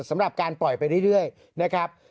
สำหรับการปล่อยไปเรื่อยนะครับ